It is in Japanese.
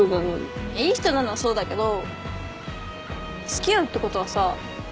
いい人なのはそうだけど付き合うってことはさ